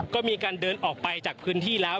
ก็มีการเดินออกไปจากพื้นที่แล้ว